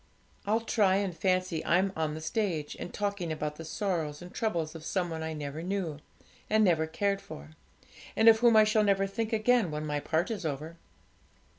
I'll try and fancy I'm on the stage, and talking about the sorrows and troubles of some one I never knew, and never cared for, and of whom I shall never think again when my part is over.